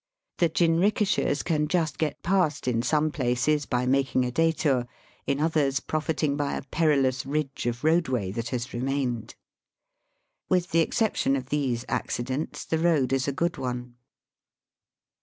The jinrikishas can just get past in some places by making a dStouVy in others profiting by a perilous ridge of road way that has remained. With the exception of these accidents the road is a good one.